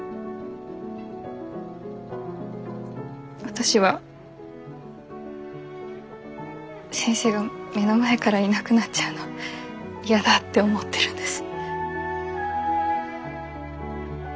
私は先生が目の前からいなくなっちゃうのやだって思ってるんです。